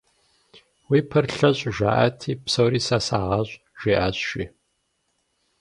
«Уи пэр лъэщӏ» жаӏати, «Псори сэ сагъэщӏ» жиӏащ, жи.